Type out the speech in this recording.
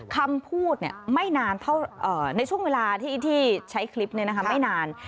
คำพูดในช่วงเวลาที่ใช้คลิปไม่นาน